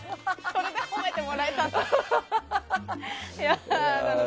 それで褒めてもらえたんだ。